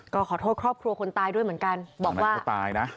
ก็ขอโทษครอบครัวคนตายด้วยเหมือนกัน